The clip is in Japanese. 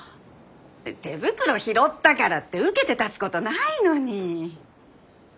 手袋拾ったからって受けて立つことないのに。